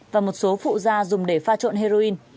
và một số phụ da dùng để pha trộn heroin